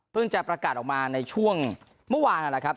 จะประกาศออกมาในช่วงเมื่อวานนั่นแหละครับ